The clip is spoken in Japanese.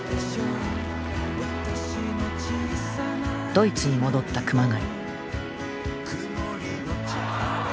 ドイツに戻った熊谷。